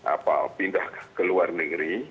apa pindah ke luar negeri